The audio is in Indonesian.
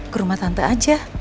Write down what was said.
ke rumah tante aja